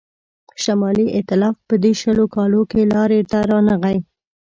شمالي ایتلاف په دې شلو کالو کې لاري ته رانغی.